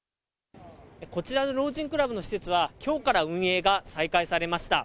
こちらの老人クラブの施設は、きょうから運営が再開されました。